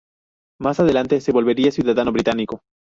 Más adelante se volvería ciudadano británico.